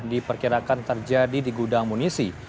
diperkirakan terjadi di gudang munisi